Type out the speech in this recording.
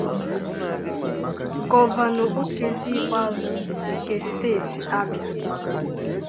Gọvanọ Okezie Ikpeazụ nke Steeti Abịa